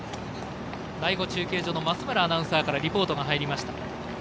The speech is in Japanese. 第５中継所の増村アナウンサーからリポートが入りました。